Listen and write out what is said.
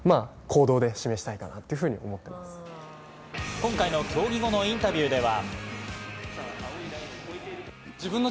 今回の競技後のインタビューでは。